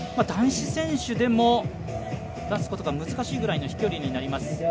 男子選手でも出すことが難しいぐらいの飛距離になります。